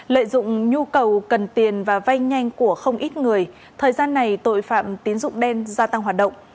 lợi dụng nhu cầu cần tiền và vay nhanh của không ít người thời gian này tội phạm tín dụng đen gia tăng hoạt động